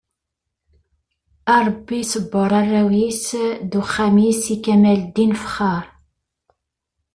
A Rebbi sebber arraw-is d uxxam-is i kamel Ddin Fexxar.